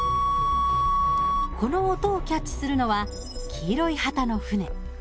この音をキャッチするのは黄色い旗の船。